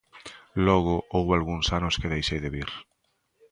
Logo, houbo algúns anos que deixei de vir.